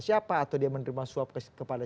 siapa atau dia menerima suap kepada